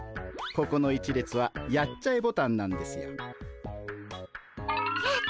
ここの１列はやっちゃえボタンなんですよ。